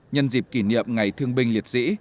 nhân dịp kỷ niệm ngày thương binh liệt sĩ